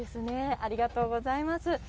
ありがとうございます。